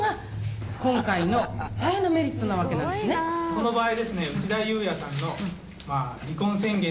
その場合。